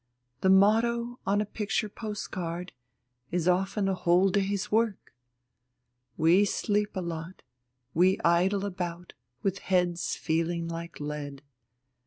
The motto on a picture postcard is often a whole day's work. We sleep a lot, we idle about with heads feeling like lead.